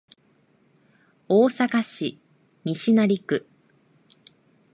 大阪市西成区